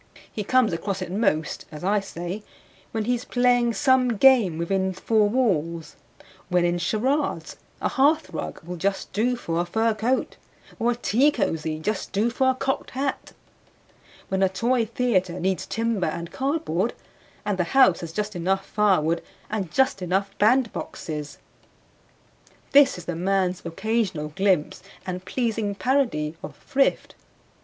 He comes across it most (as I say) when he is playing some game within four walls; when in charades, a hearthrug will just do for a fur coat, or a tea cozy just do for a cocked hat; when a toy theater needs timber and cardboard, and the house has just enough firewood and just enough bandboxes. This is the man's occasional glimpse and pleasing parody of thrift.